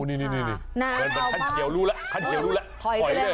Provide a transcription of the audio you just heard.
นี่บังคันที่เห็นเลย